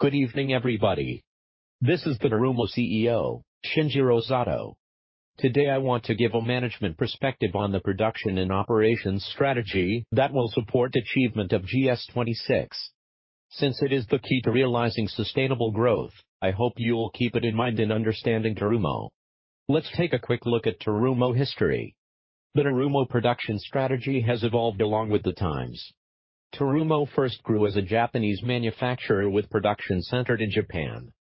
Good evening, everybody. This is the Terumo CEO, Shinjiro Sato. Today, I want to give a management perspective on the production and operations strategy that will support achievement of GS26. Since it is the key to realizing sustainable growth, I hope you will keep it in mind in understanding Terumo. Let's take a quick look at Terumo history. The Terumo production strategy has evolved along with the times. Terumo first grew as a Japanese manufacturer with production centered in Japan.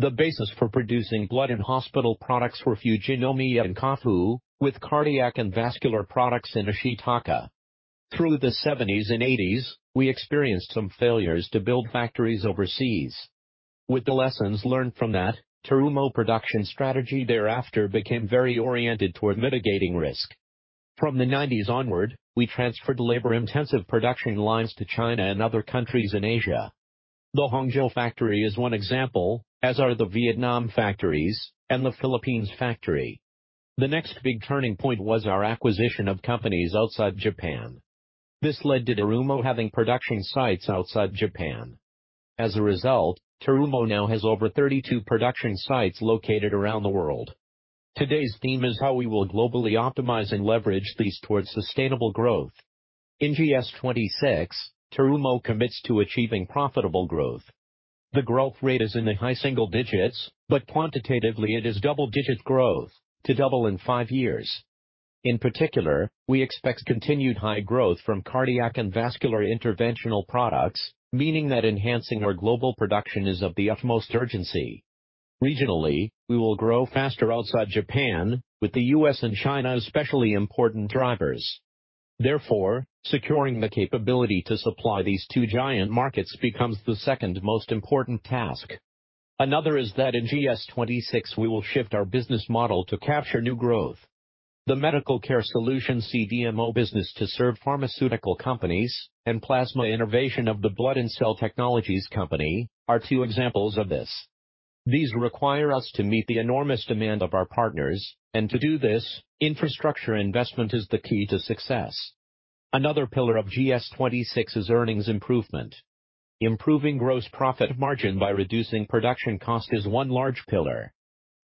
The basis for producing blood and in-hospital products were Fujinomiya and Kofu, with cardiac and vascular products in Ashitaka. Through the seventies and eighties, we experienced some failures to build factories overseas. With the lessons learned from that, Terumo production strategy thereafter became very oriented toward mitigating risk. From the nineties onward, we transferred labor-intensive production lines to China and other countries in Asia. The Hangzhou factory is one example, as are the Vietnam factories and the Philippines factory. The next big turning point was our acquisition of companies outside Japan. This led to Terumo having production sites outside Japan. As a result, Terumo now has over 32 production sites located around the world. Today's theme is how we will globally optimize and leverage these towards sustainable growth. In GS26, Terumo commits to achieving profitable growth. The growth rate is in the high single digits, but quantitatively it is double-digit growth to double in five years. In particular, we expect continued high growth from Cardiac and Vascular interventional products, meaning that enhancing our global production is of the utmost urgency. Regionally, we will grow faster outside Japan, with the U.S. and China especially important drivers. Therefore, securing the capability to supply these two giant markets becomes the second most important task. Another is that in GS26 we will shift our business model to capture new growth. The Medical Care Solutions c business to serve pharmaceutical companies and Plasma Innovation of the Blood and Cell Technologies Company are two examples of this. These require us to meet the enormous demand of our partners, and to do this, infrastructure investment is the key to success. Another pillar of GS26 is earnings improvement. Improving gross profit margin by reducing production cost is one large pillar.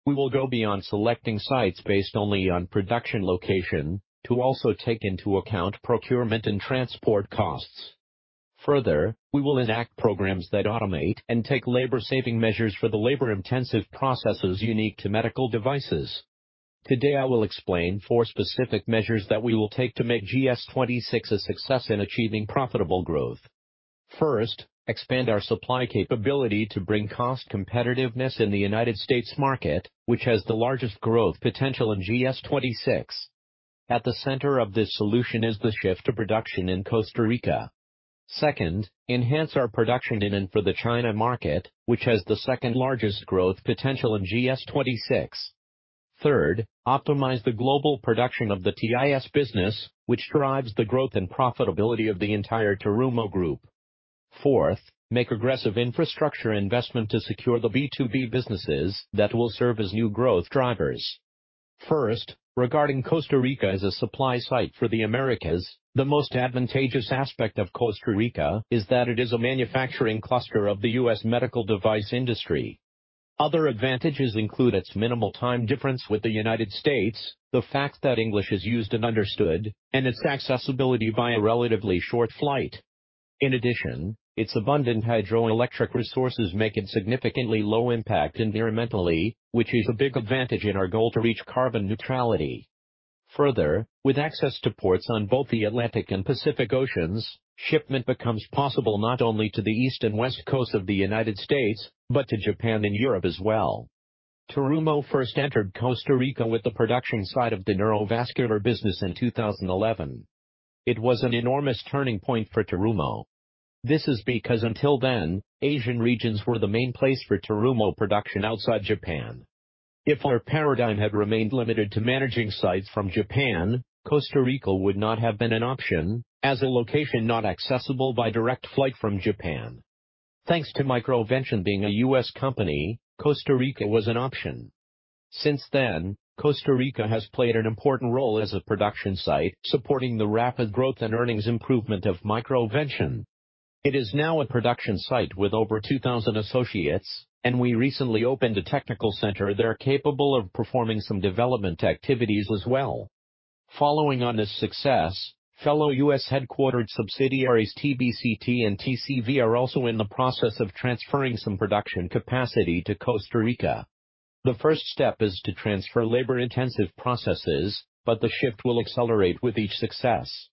We will go beyond selecting sites based only on production location to also take into account procurement and transport costs. Further, we will enact programs that automate and take labor-saving measures for the labor-intensive processes unique to medical devices. Today, I will explain four specific measures that we will take to make GS26 a success in achieving profitable growth. First, expand our supply capability to bring cost competitiveness in the United States market, which has the largest growth potential in GS26. At the center of this solution is the shift to production in Costa Rica. Second, enhance our production in and for the China market, which has the second-largest growth potential in GS26. Third, optimize the global production of the TIS business, which drives the growth and profitability of the entire Terumo Group. Fourth, make aggressive infrastructure investment to secure the B2B businesses that will serve as new growth drivers. First, regarding Costa Rica as a supply site for the Americas, the most advantageous aspect of Costa Rica is that it is a manufacturing cluster of the U.S. medical device industry. Other advantages include its minimal time difference with the United States, the fact that English is used and understood, and its accessibility by a relatively short flight. In addition, its abundant hydroelectric resources make it significantly low impact environmentally, which is a big advantage in our goal to reach carbon neutrality. Further, with access to ports on both the Atlantic and Pacific Oceans, shipment becomes possible not only to the east and west coast of the United States, but to Japan and Europe as well. Terumo first entered Costa Rica with the production site of the neurovascular business in 2011. It was an enormous turning point for Terumo. This is because until then, Asian regions were the main place for Terumo production outside Japan. If our paradigm had remained limited to managing sites from Japan, Costa Rica would not have been an option as a location not accessible by direct flight from Japan. Thanks to MicroVention being a U.S. company, Costa Rica was an option. Since then, Costa Rica has played an important role as a production site, supporting the rapid growth and earnings improvement of MicroVention. It is now a production site with over 2,000 associates, and we recently opened a technical center there capable of performing some development activities as well. Following on this success, fellow U.S. headquartered subsidiaries Terumo BCT and Terumo Cardiovascular are also in the process of transferring some production capacity to Costa Rica. The first step is to transfer labor-intensive processes, but the shift will accelerate with each success.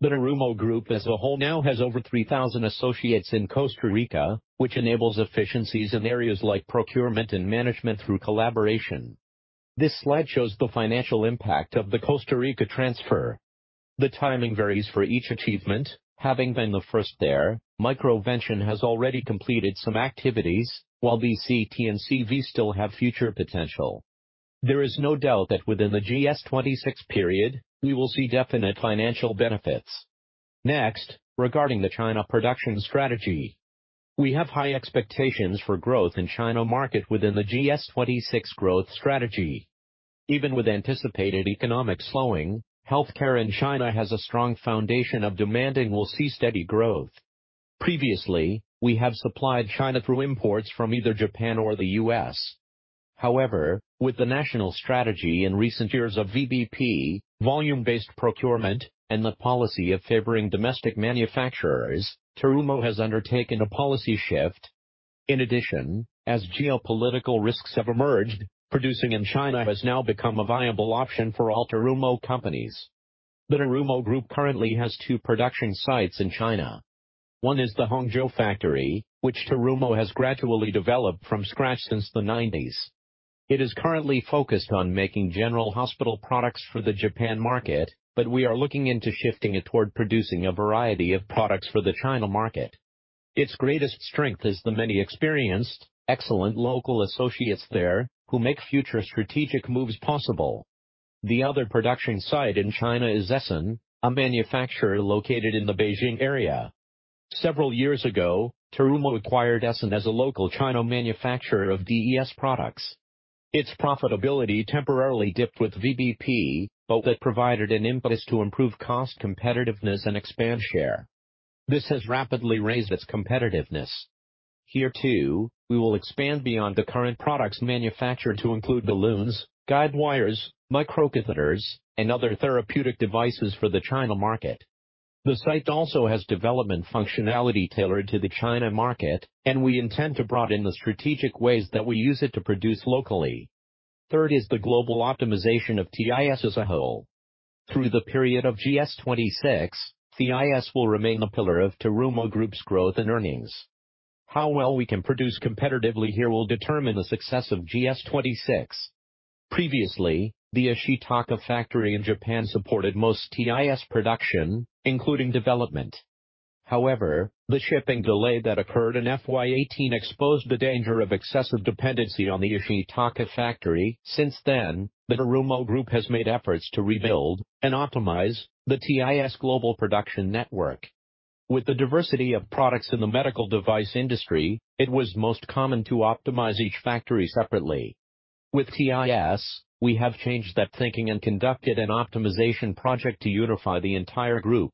The Terumo group as a whole now has over 3,000 associates in Costa Rica, which enables efficiencies in areas like procurement and management through collaboration. This slide shows the financial impact of the Costa Rica transfer. The timing varies for each achievement. Having been the first there, MicroVention has already completed some activities, while BCT and CV still have future potential. There is no doubt that within the GS26 period, we will see definite financial benefits. Next, regarding the China production strategy. We have high expectations for growth in China market within the GS26 growth strategy. Even with anticipated economic slowing, healthcare in China has a strong foundation of demand and will see steady growth. Previously, we have supplied China through imports from either Japan or the U.S. However, with the national strategy in recent years of VBP, volume-based procurement, and the policy of favoring domestic manufacturers, Terumo has undertaken a policy shift. In addition, as geopolitical risks have emerged, producing in China has now become a viable option for all Terumo companies. The Terumo Group currently has two production sites in China. One is the Hangzhou factory, which Terumo has gradually developed from scratch since the nineties. It is currently focused on making general hospital products for the Japan market, but we are looking into shifting it toward producing a variety of products for the China market. Its greatest strength is the many experienced, excellent local associates there who make future strategic moves possible. The other production site in China is Essen, a manufacturer located in the Beijing area. Several years ago, Terumo acquired Essen as a local Chinese manufacturer of DES products. Its profitability temporarily dipped with VBP, but that provided an impetus to improve cost competitiveness and expand share. This has rapidly raised its competitiveness. Here too, we will expand beyond the current products manufactured to include balloons, guide wires, microcatheters, and other therapeutic devices for the China market. The site also has development functionality tailored to the China market, and we intend to broaden the strategic ways that we use it to produce locally. Third is the global optimization of TIS as a whole. Through the period of GS26, TIS will remain the pillar of Terumo Group's growth and earnings. How well we can produce competitively here will determine the success of GS26. Previously, the Ashitaka factory in Japan supported most TIS production, including development. However, the shipping delay that occurred in FY 2018 exposed the danger of excessive dependency on the Ashitaka factory. Since then, the Terumo Group has made efforts to rebuild and optimize the TIS global production network. With the diversity of products in the medical device industry, it was most common to optimize each factory separately. With TIS, we have changed that thinking and conducted an optimization project to unify the entire group.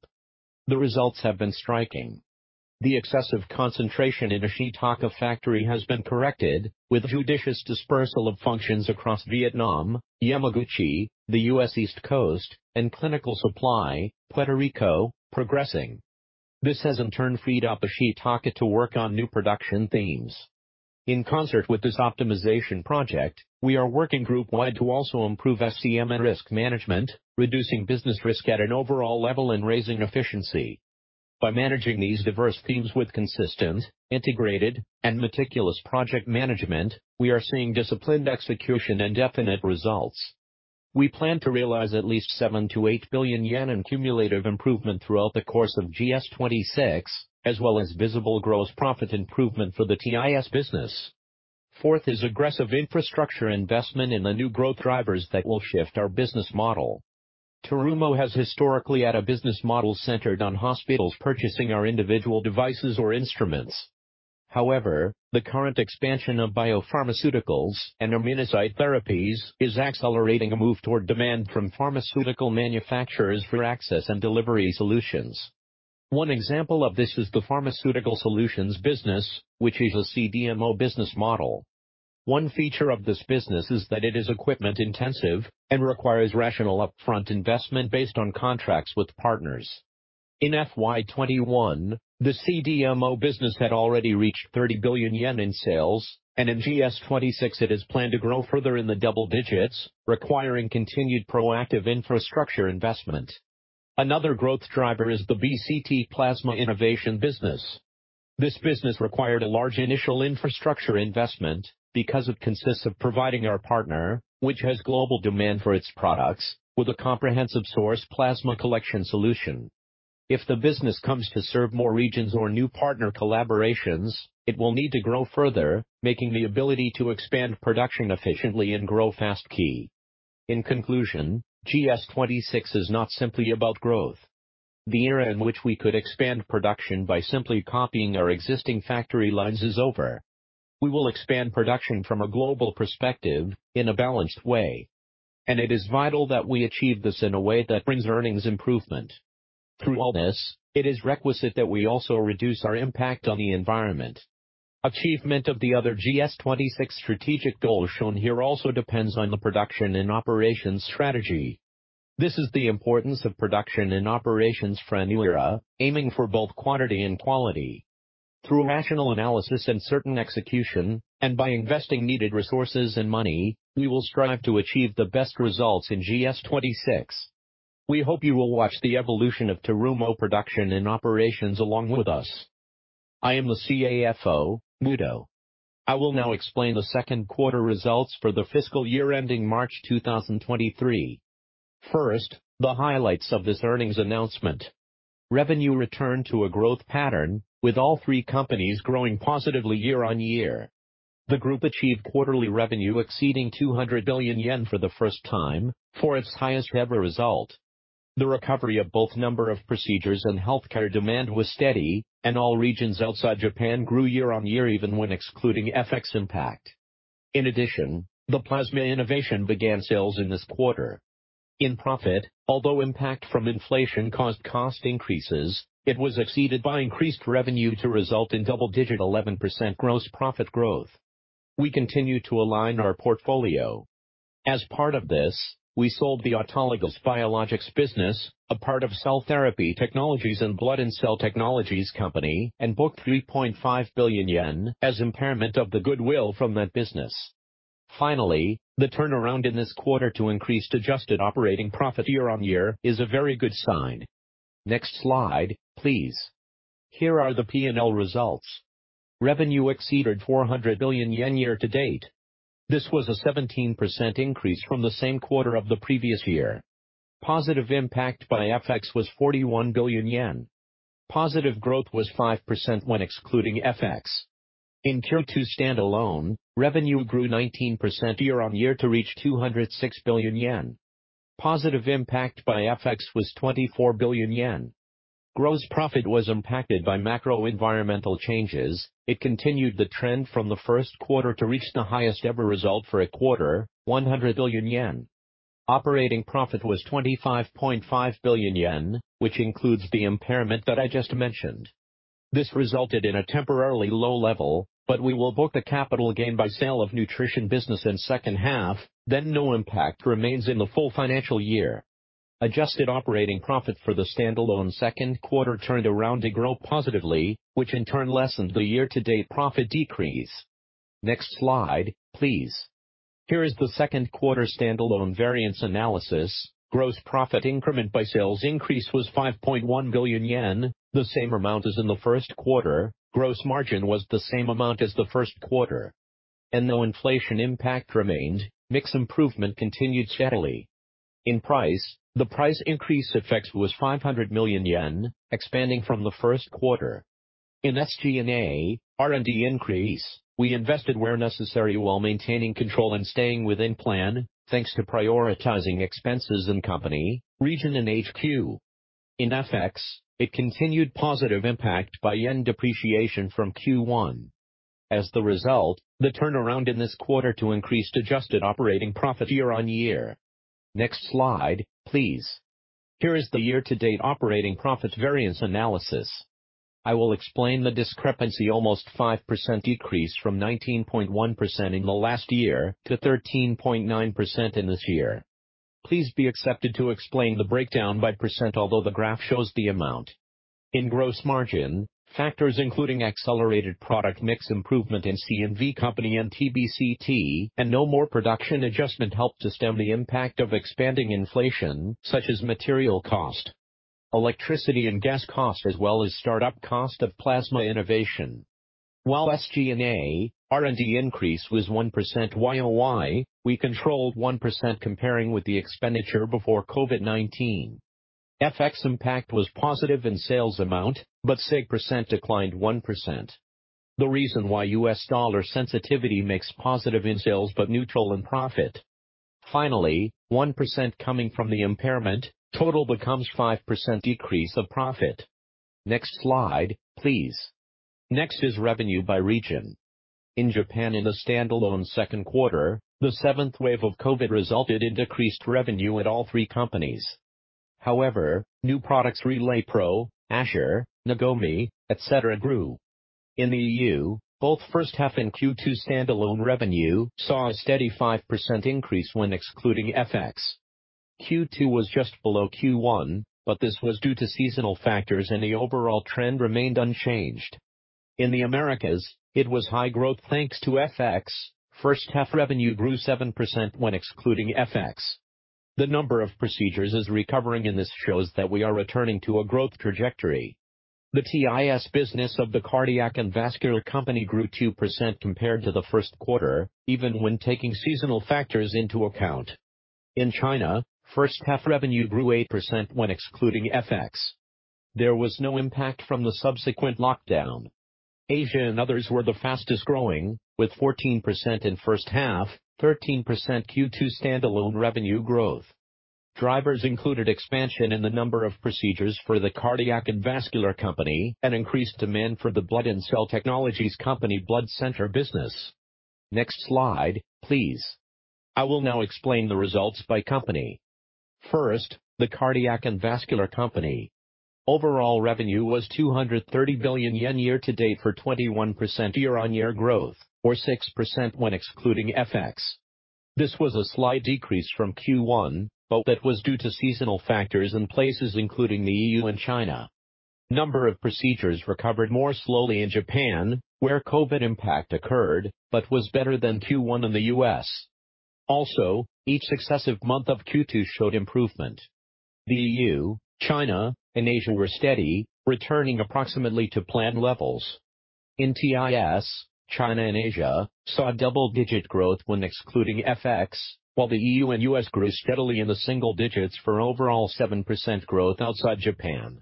The results have been striking. The excessive concentration in Ashitaka factory has been corrected with judicious dispersal of functions across Vietnam, Yamaguchi, the U.S. East Coast, and clinical supply, Puerto Rico progressing. This has in turn freed up Ashitaka to work on new production themes. In concert with this optimization project, we are working group-wide to also improve SCM and risk management, reducing business risk at an overall level and raising efficiency. By managing these diverse themes with consistent, integrated, and meticulous project management, we are seeing disciplined execution and definite results. We plan to realize at least 7 billion-8 billion yen in cumulative improvement throughout the course of GS26, as well as visible gross profit improvement for the TIS business. Fourth is aggressive infrastructure investment in the new growth drivers that will shift our business model. Terumo has historically had a business model centered on hospitals purchasing our individual devices or instruments. However, the current expansion of biopharmaceuticals and immunocyte therapies is accelerating a move toward demand from pharmaceutical manufacturers for access and delivery solutions. One example of this is the pharmaceutical solutions business, which uses CDMO business model. One feature of this business is that it is equipment-intensive and requires rational upfront investment based on contracts with partners. In FY 2021, the CDMO business had already reached 30 billion yen in sales, and in GS26 it is planned to grow further in the double digits, requiring continued proactive infrastructure investment. Another growth driver is the BCT Plasma Innovation business. This business required a large initial infrastructure investment because it consists of providing our partner, which has global demand for its products, with a comprehensive source plasma collection solution. If the business comes to serve more regions or new partner collaborations, it will need to grow further, making the ability to expand production efficiently and grow fast key. In conclusion, GS26 is not simply about growth. The era in which we could expand production by simply copying our existing factory lines is over. We will expand production from a global perspective in a balanced way, and it is vital that we achieve this in a way that brings earnings improvement. Through all this, it is requisite that we also reduce our impact on the environment. Achievement of the other GS26 strategic goals shown here also depends on the production and operations strategy. This is the importance of production and operations for a new era, aiming for both quantity and quality. Through rational analysis and certain execution, and by investing needed resources and money, we will strive to achieve the best results in GS26. We hope you will watch the evolution of Terumo production and operations along with us. I am the CAFO, Muto. I will now explain the second quarter results for the fiscal year ending March 2023. First, the highlights of this earnings announcement. Revenue returned to a growth pattern with all three companies growing positively year-on-year. The group achieved quarterly revenue exceeding 200 billion yen for the first time for its highest ever result. The recovery of both number of procedures and healthcare demand was steady, and all regions outside Japan grew year-on-year even when excluding FX impact. In addition, the Plasma Innovation began sales in this quarter. In profit, although impact from inflation caused cost increases, it was exceeded by increased revenue to result in double-digit 11% gross profit growth. We continue to align our portfolio. As part of this, we sold the Autologous Biologics business, a part of Cell Therapy Technologies and Blood and Cell Technologies Company, and booked 3.5 billion yen as impairment of the goodwill from that business. Finally, the turnaround in this quarter to increased adjusted operating profit year-on-year is a very good sign. Next slide, please. Here are the P&L results. Revenue exceeded 400 billion yen year-to-date. This was a 17% increase from the same quarter of the previous year. Positive impact by FX was 41 billion yen. Positive growth was 5% when excluding FX. In Q2 standalone, revenue grew 19% year-on-year to reach 206 billion yen. Positive impact by FX was 24 billion yen. Gross profit was impacted by macro environmental changes. It continued the trend from the first quarter to reach the highest ever result for a quarter, 100 billion yen. Operating profit was 25.5 billion yen, which includes the impairment that I just mentioned. This resulted in a temporarily low level, but we will book a capital gain by sale of nutrition business in second half, then no impact remains in the full financial year. Adjusted operating profit for the standalone second quarter turned around to grow positively, which in turn lessened the year-to-date profit decrease. Next slide, please. Here is the second quarter standalone variance analysis. Gross profit increment by sales increase was 5.1 billion yen, the same amount as in the first quarter. Gross margin was the same amount as the first quarter. Though inflation impact remained, mix improvement continued steadily. In price, the price increase effect was 500 million yen, expanding from the first quarter. In SG&A, R&D increase, we invested where necessary while maintaining control and staying within plan, thanks to prioritizing expenses in company, region and HQ. In FX, it continued positive impact by yen depreciation from Q1. As the result, the turnaround in this quarter to increased adjusted operating profit year-on-year. Next slide, please. Here is the year-to-date operating profit variance analysis. I will explain the discrepancy almost 5% decrease from 19.1% in the last year to 13.9% in this year. Please bear with me to explain the breakdown by percent although the graph shows the amount. In gross margin, factors including accelerated product mix improvement in C&V Company and Terumo BCT and no more production adjustment helped to stem the impact of expanding inflation such as material cost, electricity and gas cost as well as start-up cost of Plasma Innovation. While SG&A and R&D increase was 1% YoY, we controlled 1% comparing with the expenditure before COVID-19. FX impact was positive in sales amount, but seg percent declined 1%. The reason why U.S. dollar sensitivity makes positive in sales but neutral in profit. Finally, 1% coming from the impairment, total becomes 5% decrease of profit. Next slide, please. Next is revenue by region. In Japan in the standalone second quarter, the seventh wave of COVID resulted in decreased revenue at all three companies. However, new products RelayPro, Asher, Nagomi, etc., grew. In the EU, both first half and Q2 standalone revenue saw a steady 5% increase when excluding FX. Q2 was just below Q1, but this was due to seasonal factors and the overall trend remained unchanged. In the Americas, it was high growth thanks to FX. First half revenue grew 7% when excluding FX. The number of procedures is recovering and this shows that we are returning to a growth trajectory. The TIS business of the Cardiac and Vascular Company grew 2% compared to the first quarter, even when taking seasonal factors into account. In China, first half revenue grew 8% when excluding FX. There was no impact from the subsequent lockdown. Asia and others were the fastest growing, with 14% in first half, 13% Q2 standalone revenue growth. Drivers included expansion in the number of procedures for the Cardiac and Vascular Company and increased demand for the Blood and Cell Technologies Company blood center business. Next slide, please. I will now explain the results by company. First, the Cardiac and Vascular Company. Overall revenue was 230 billion yen year-to-date for 21% year-on-year growth, or 6% when excluding FX. This was a slight decrease from Q1, but that was due to seasonal factors in places including the EU and China. Number of procedures recovered more slowly in Japan, where COVID impact occurred, but was better than Q1 in the U.S. also, each successive month of Q2 showed improvement. The EU, China, and Asia were steady, returning approximately to planned levels. In TIS, China and Asia saw double-digit growth when excluding FX, while the EU and U.S. grew steadily in the single digits for overall 7% growth outside Japan.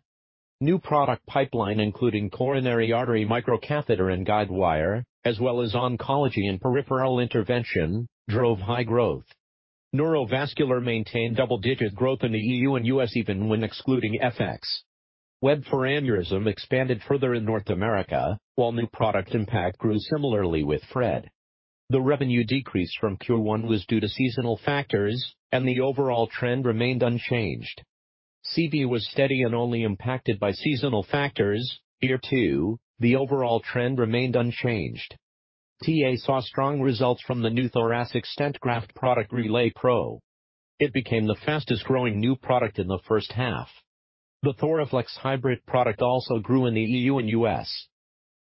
New product pipeline, including coronary artery microcatheter and guide wire, as well as oncology and peripheral intervention drove high growth. Neurovascular maintained double-digit growth in the EU and U.S. even when excluding FX. WEB for aneurysm expanded further in North America, while new product impact grew similarly with FRED. The revenue decrease from Q1 was due to seasonal factors and the overall trend remained unchanged. CV was steady and only impacted by seasonal factors. Here too, the overall trend remained unchanged. TA saw strong results from the new thoracic stent graft product RelayPro. It became the fastest-growing new product in the first half. The Thoraflex hybrid product also grew in the EU and US.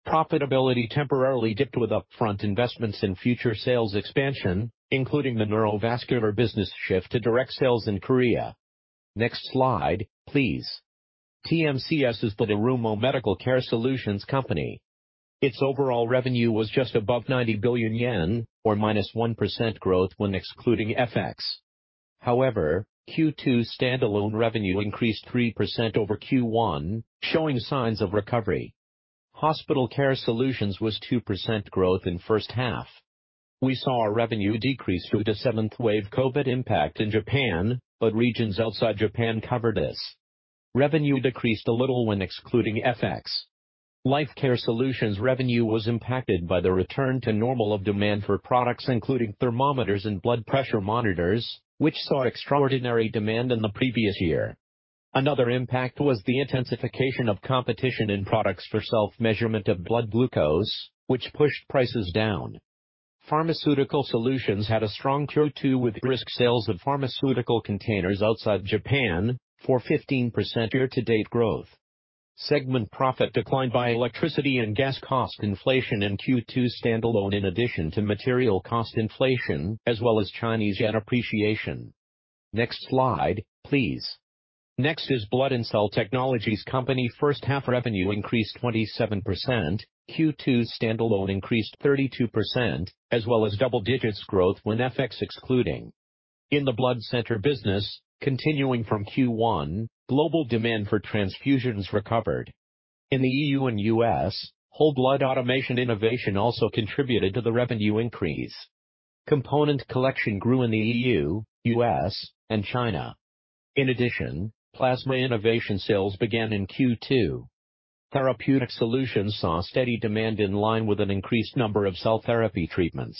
Profitability temporarily dipped with upfront investments in future sales expansion, including the neurovascular business shift to direct sales in Korea. Next slide, please. TMCS is the Terumo Medical Care Solutions company. Its overall revenue was just above 90 billion yen or -1% growth when excluding FX. However, Q2 standalone revenue increased 3% over Q1, showing signs of recovery. Hospital Care Solutions was 2% growth in first half. We saw a revenue decrease due to seventh wave COVID impact in Japan, but regions outside Japan covered this. Revenue decreased a little when excluding FX. Life Care Solutions revenue was impacted by the return to normal of demand for products including thermometers and blood pressure monitors, which saw extraordinary demand in the previous year. Another impact was the intensification of competition in products for self-measurement of blood glucose, which pushed prices down. Pharmaceutical Solutions had a strong Q2 with brisk sales of pharmaceutical containers outside Japan for 15% year-to-date growth. Segment profit declined by electricity and gas cost inflation in Q2 standalone in addition to material cost inflation as well as yen appreciation. Next slide, please. Next is Blood and Cell Technologies Company. First-half revenue increased 27%. Q2 standalone increased 32% as well as double digits growth when excluding FX. In the blood center business, continuing from Q1, global demand for transfusions recovered. In the EU and U.S., whole blood automation innovation also contributed to the revenue increase. Component collection grew in the EU, U.S., and China. In addition, Plasma Innovation sales began in Q2. Therapeutic Solutions saw steady demand in line with an increased number of cell therapy treatments.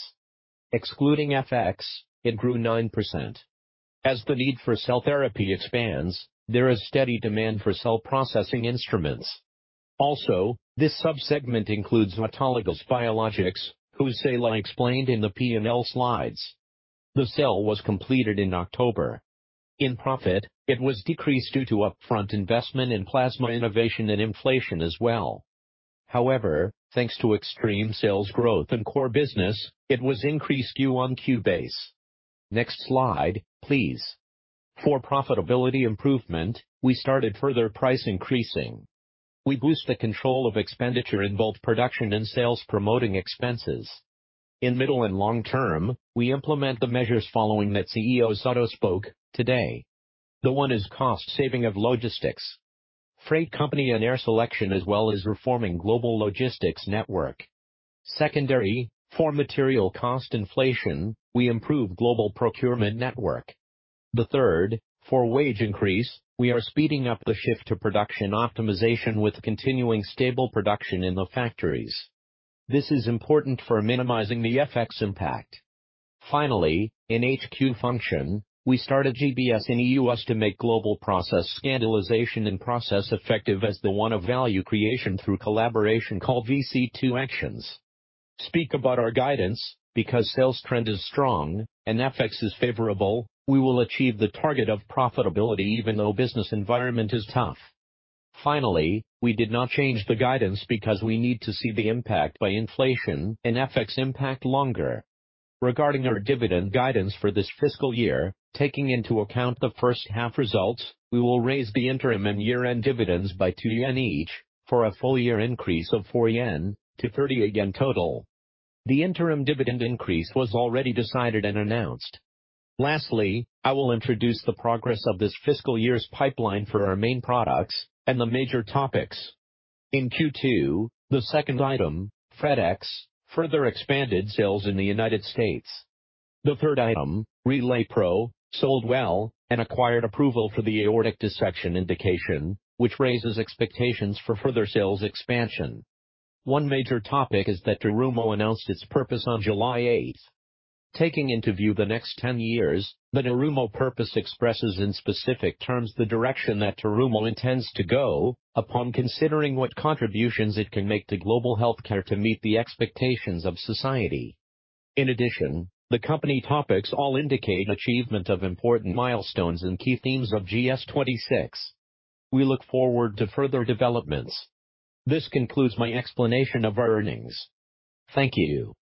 Excluding FX, it grew 9%. As the need for cell therapy expands, there is steady demand for cell processing instruments. Also, this sub-segment includes Autologous Biologics, whose sale I explained in the P&L slides. The sale was completed in October. In profit, it was decreased due to upfront investment in Plasma Innovation and inflation as well. However, thanks to extreme sales growth in core business, it was increased Q-on-Q base. Next slide, please. For profitability improvement, we started further price increasing. We boost the control of expenditure in both production and sales promoting expenses. In middle and long term, we implement the measures following that CEO Shinjiro Sato spoke today. The one is cost saving of logistics. Freight company and air selection as well as reforming global logistics network. Secondary, for material cost inflation, we improve global procurement network. The third, for wage increase, we are speeding up the shift to production optimization with continuing stable production in the factories. This is important for minimizing the FX impact. Finally, in HQ function, we started GBS in EU to make global process standardization and process effective as the one of Value Creation through Collaboration called VC2 actions. Speaking about our guidance because sales trend is strong and FX is favorable, we will achieve the target of profitability even though business environment is tough. Finally, we did not change the guidance because we need to see the impact by inflation and FX impact longer. Regarding our dividend guidance for this fiscal year, taking into account the first half results, we will raise the interim and year-end dividends by 2 yen each for a full year increase of 4 yen to 38 yen total. The interim dividend increase was already decided and announced. Lastly, I will introduce the progress of this fiscal year's pipeline for our main products and the major topics. In Q2, the second item, FRED X, further expanded sales in the United States. The third item, RelayPro, sold well and acquired approval for the aortic dissection indication, which raises expectations for further sales expansion. One major topic is that Terumo announced its purpose on July 8. Taking into view the next 10 years, the Terumo purpose expresses in specific terms the direction that Terumo intends to go upon considering what contributions it can make to global healthcare to meet the expectations of society. In addition, the company topics all indicate achievement of important milestones and key themes of GS26. We look forward to further developments. This concludes my explanation of our earnings. Thank you.